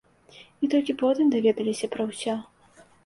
І толькі потым даведаліся пра ўсё.